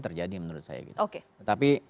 terjadi menurut saya gitu tapi